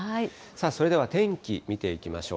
それでは天気見ていきましょう。